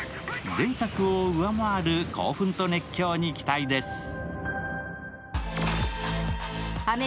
前作を上回る興奮と熱狂に期待です。